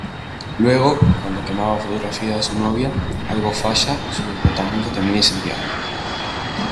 Luego, cuando quemaba fotografías de su novia, algo falla y su departamento termina incendiado.